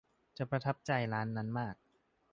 จะประทับใจร้านนั้นมาก